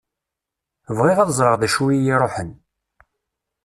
Bɣiɣ ad ẓreɣ d acu i y-iruḥen.